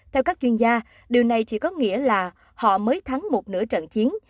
theo các chuyên gia điều này chỉ có nghĩa là họ mới thắng một nửa trận chiến